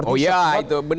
oh ya itu benar